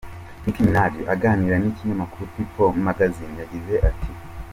Nicki Minaj aganira n’ikinyamakuru People Magazine yagize ati:.